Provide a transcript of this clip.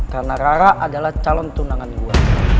karena rara adalah calon tunangan gue